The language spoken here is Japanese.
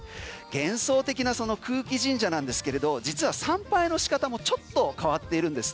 幻想的なその空気神社なんですが実は参拝の仕方もちょっと変わっているんです。